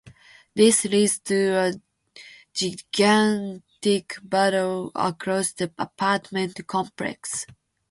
This leads to a gigantic battle across the apartment complex.